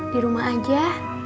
di rumah aja